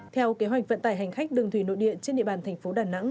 theo kế hoạch vận tải hành khách đường thủy nội địa trên địa bàn thành phố đà nẵng